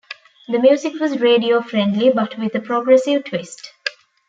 The music was radio-friendly, but with a progressive twist.